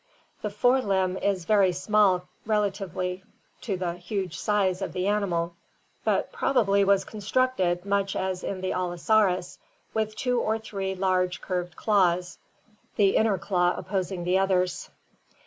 The fore limb is very small relatively to the huge size of the animal, II Is REPTILES AND DINOSAURS 511 but probably was constructed much as in the Allosaurus with two or three large curved claws, the inner claw opposing the others."